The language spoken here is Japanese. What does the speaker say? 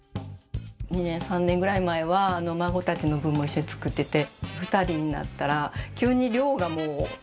２年３年ぐらい前は孫たちの分も一緒に作ってて。